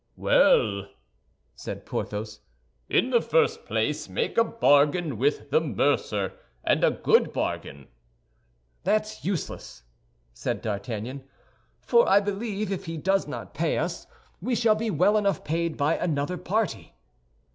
"Well," said Porthos, "in the first place make a bargain with the mercer, and a good bargain." "That's useless," said D'Artagnan; "for I believe if he does not pay us, we shall be well enough paid by another party."